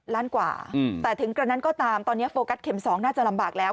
ล้านกว่าแต่ถึงกระนั้นก็ตามตอนนี้โฟกัสเข็ม๒น่าจะลำบากแล้ว